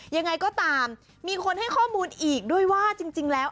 ยังไงก็ตามมีคนให้ข้อมูลอีกด้วยว่าจริงแล้ว